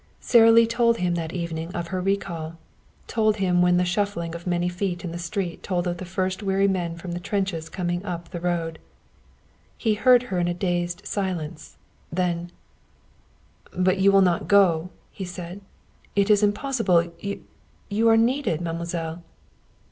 Sara Lee told him that evening of her recall, told him when the shuffling of many feet in the street told of the first weary men from the trenches coming up the road. He heard her in a dazed silence. Then: "But you will not go?" he said. "It is impossible! You you are needed, mademoiselle."